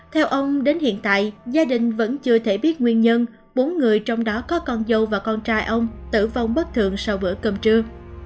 theo ông đến hiện tại gia đình vẫn chưa thể biết nguyên nhân bốn người trong đó có con dâu và con trai ông tử vong bất thường sau bữa cơm trưa